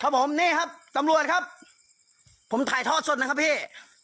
ผมนี่ครับตำรวจครับผมถ่ายทอดสดนะครับพี่